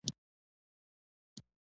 ایا زه باید کدو وخورم؟